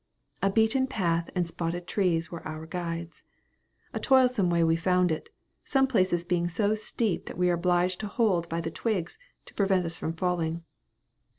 A beaten path and spotted trees were our guides. A toilsome way we found it some places being so steep that we were obliged to hold by the twigs, to prevent us from falling.